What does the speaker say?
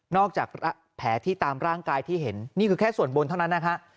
จากแผลที่ตามร่างกายที่เห็นนี่คือแค่ส่วนบนเท่านั้นนะฮะ